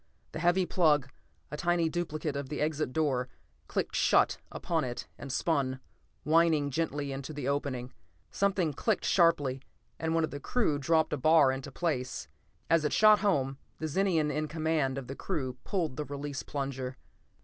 The heavy plug, a tiny duplicate of the exit door, clicked shut upon it and spun, whining gently, into the opening. Something clicked sharply, and one of the crew dropped a bar into place. As it shot home, the Zenian in command of the crew pulled the release plunger.